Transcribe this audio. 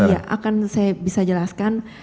ya akan saya bisa jelaskan